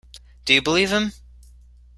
Do you believe him?